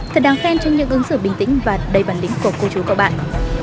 thật đáng khen trong những ứng xử bình tĩnh và đầy bản lĩnh của cô chú cậu bạn